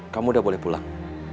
kamu udah boleh pulang